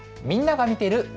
みんなが見てる！